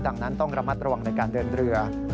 ดังนั้นต้องระมัดระวังในการเดินเรือ